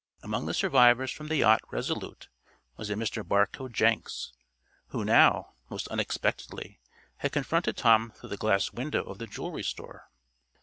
Among the survivors from the yacht Resolute was a Mr. Barcoe Jenks, who now, most unexpectedly, had confronted Tom through the glass window of the jewelry store.